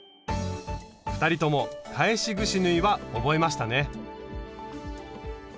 ２人とも返しぐし縫いは覚えましたね！